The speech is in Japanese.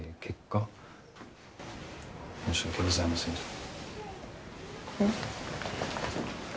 申し訳ございませんでした。